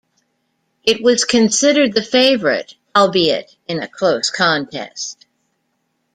It was considered the favourite, albeit in a close contest.